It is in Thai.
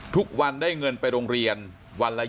ทุกวันได้เงินไปโรงเรียนวันละ๒๐